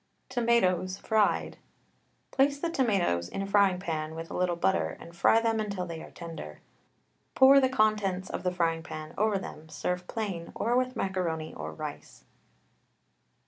TOMATOES, FRIED. Place the tomatoes in a frying pan with a little butter, and fry them until they are tender. Pour the contents of the frying pan over them, serve plain, or with macaroni or rice.